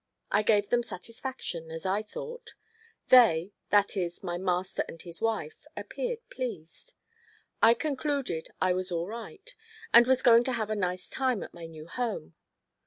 I gave them satisfaction, as I thought; they, that is my master and his wife, appeared pleased. I concluded I was all right and was going to have a nice time at my new home.